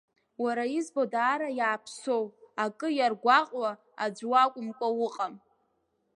Уара избо даара иааԥсоу, акы иаргәаҟуа аӡә уакәымкәа уҟам?